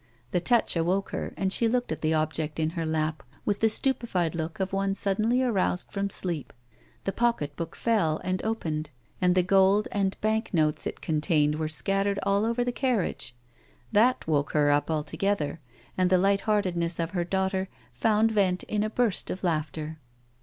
The touch awoke her, and she looked at the object in her lap with the stupified look of one suddenly aroused from sleep. The pocket book fell and opened, and the gold and bank notes it contained were scattered all over the carriage. That woke her up alto gether, and the light heartedness of her daughter found vent in a burst of laughter.